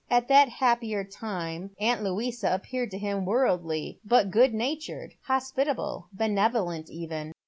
At that happier time auii,* Louisa appeared to him worldly, but good natured, hospitable, benevolent even.